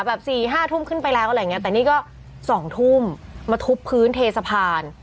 สี่ห้าทุ่มขึ้นไปแล้วอะไรอย่างเงี้แต่นี่ก็๒ทุ่มมาทุบพื้นเทสะพาน